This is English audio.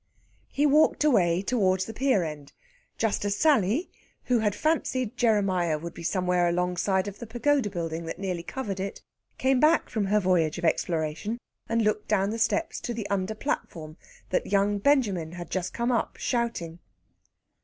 He walked away towards the pier end just as Sally, who had fancied Jeremiah would be somewhere alongside of the pagoda building that nearly covered it, came back from her voyage of exploration, and looked down the steps to the under platform, that young Benjamin had just come up shouting.